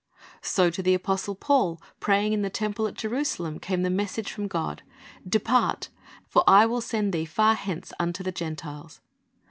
"* So to the apostle Paul, praying in the temple at Jerusalem, came the message from God, "Depart; for I will send thee far hence unto the Gentiles."